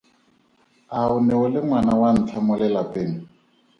A o ne o le ngwana wa ntlha mo lelapeng?